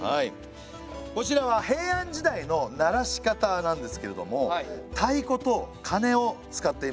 こちらは平安時代の鳴らし方なんですけれども太鼓と鐘を使っていました。